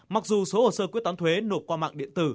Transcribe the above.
mặc dù số hồ sơ quyết toán thuế nộp qua mạng điện tử